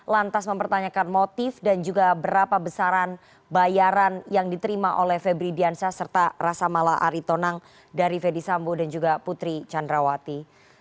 lantas mempertanyakan motif dan juga berapa besaran bayaran yang diterima oleh febri diansah serta rasa mala aritonang dari fedy sambo dan juga putri candrawati